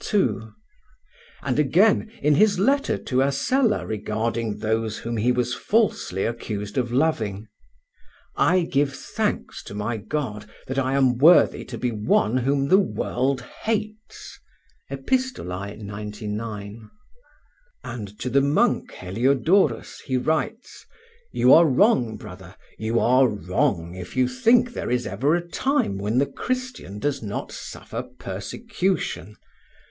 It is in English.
2). And again, in his letter to Asella regarding those whom he was falsely accused of loving: "I give thanks to my God that I am worthy to be one whom the world hates" (Epist. 99). And to the monk Heliodorus he writes: "You are wrong, brother, you are wrong if you think there is ever a time when the Christian does not suffer persecution.